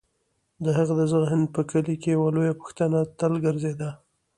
د هغه د ذهن په کلي کې یوه لویه پوښتنه تل ګرځېده: